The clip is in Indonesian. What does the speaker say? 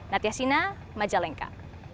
natya sina majalengka